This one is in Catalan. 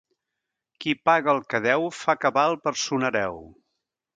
Qui paga el que deu, fa cabal per son hereu.